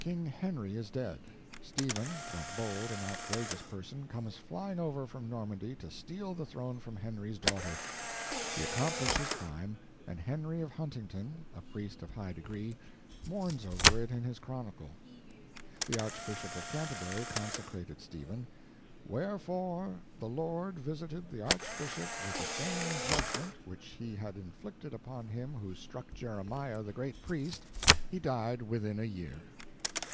King Henry is dead; Stephen, that bold and outrageous person, comes flying over from Normandy to steal the throne from Henry's daughter. He accomplished his crime, and Henry of Huntington, a priest of high degree, mourns over it in his Chronicle. The Archbishop of Canterbury consecrated Stephen: "wherefore the Lord visited the Archbishop with the same judgment which he had inflicted upon him who struck Jeremiah the great priest: he died within a year."